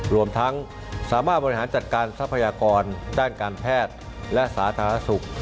รวมทั้งสามารถบริหารจัดการทรัพยากรด้านการแพทย์และสาธารณสุข